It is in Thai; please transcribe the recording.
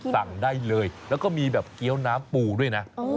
สั่งได้เลยแล้วก็มีแบบเกี้ยวน้ำปูด้วยนะ